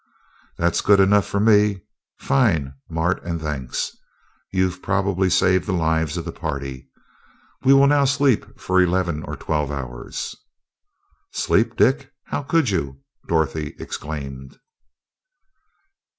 "That's good enough for me. Fine, Mart, and thanks. You've probably saved the lives of the party. We will now sleep for eleven or twelve hours." "Sleep, Dick! How could you?" Dorothy exclaimed.